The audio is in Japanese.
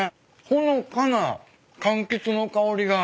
ほのかなかんきつの香りが。